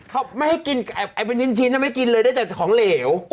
เขาไม่ให้กินไอ่เป็นชิ้นแล้วไม่กินเลยได้จากของเหลว